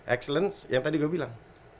excellence yang tadi gue bilang